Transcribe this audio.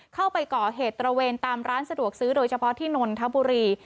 เข้าไปก่อเหตุตระเวนตามร้านสะดวกซื้อโดยเฉพาะที่นนทบุรี